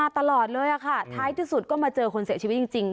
ท้ายที่สุดก็มาเจอคนเสียชีวิตจริง